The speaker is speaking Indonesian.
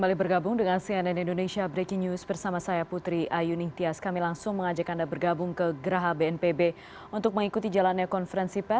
indonesia breaking news